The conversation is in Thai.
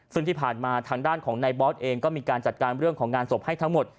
ซึ่งที่ผ่านมาทางด้านของนายบอสเองก็มีการจัดการเรื่องของงานศพให้ทั้งหมด